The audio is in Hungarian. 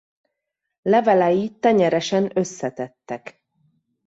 Levelei tenyeresen összetettek.